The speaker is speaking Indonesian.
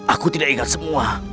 aku tidak ingat semua